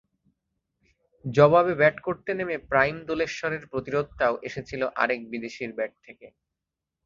জবাবে ব্যাট করতে নেমে প্রাইম দেলোশ্বরের প্রতিরোধটাও এসেছিল আরেক বিদেশির ব্যাট থেকে।